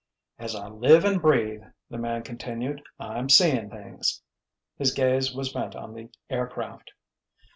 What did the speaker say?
"As I live and breathe!" the man continued, "I'm seeing things!" His gaze was bent on the aircraft.